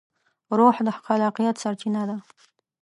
روح د خلاقیت سرچینه ده.